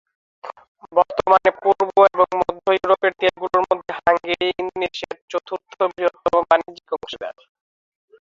বর্তমানে পূর্ব এবং মধ্য ইউরোপের দেশগুলোর মধ্যে হাঙ্গেরি ইন্দোনেশিয়ার চতুর্থ বৃহত্তম বাণিজ্যিক অংশীদার।